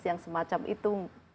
yang semacam itu